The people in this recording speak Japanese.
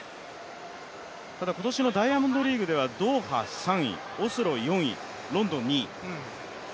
ただ今年のダイヤモンドリーグではドーハ３位、オスロ４位、ロンドン２位。